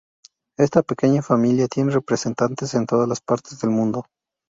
Esta pequeña familia tiene representantes en todas las partes del mundo.